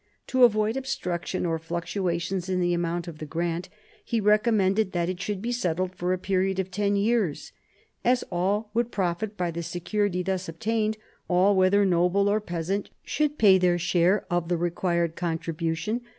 To avoid obstruction or fluctuations in the amount of the grant, he recommended that it should be settled for a period of ten years. As all would profit by the security thus obtained, all, whether noble or peasant, should pay their share of the required contribution.